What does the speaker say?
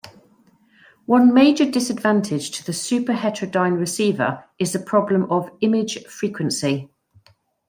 One major disadvantage to the superheterodyne receiver is the problem of "image frequency".